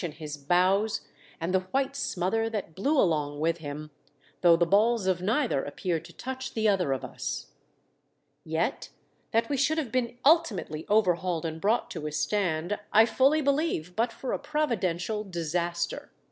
25 In his bows and the white smother that blew along with him, though the balls of neither appeared to touch the other of us. Yet, that we should have been ultimately overhauled and brought to a stand I fully believe but for a providential disaster.